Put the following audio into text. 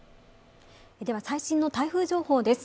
最新の台風情報です。